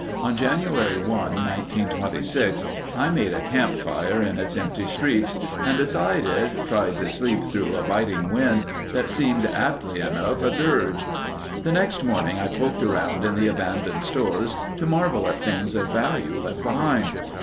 On January 1, 1926, I made a camp fire in its empty streets and beside it tried to sleep through a biting wind that seemed aptly enough a dirge. The next morning I poked around in the abandoned stores to marvel at things of value left behind.